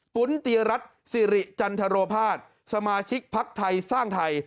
ปุ๋นตีรัฐสิริจันทรภาษสมาชิกภักดิ์ไทยสร้างไทย